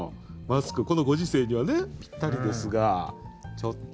このご時世にはぴったりですがちょっと。